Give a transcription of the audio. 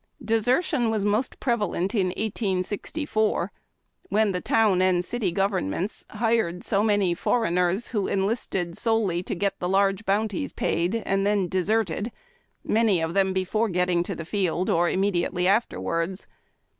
Desertion was the most prevalent in 1864, when the town and city govern ments hired so many foreigners, who enlisted solely to get the large bounties paid, and then deserted, many of them before getting to the field, or immediately afterwards.